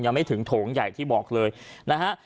ยังไม่ถึงโถงใหญ่ที่บอกเลยนะฮะ